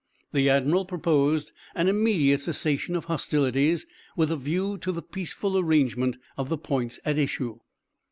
The admiral proposed an immediate cessation of hostilities, with a view to the peaceful arrangement of the points at issue.